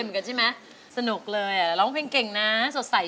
โปรดไทยมันลืมคนที่ทิ้งเราไป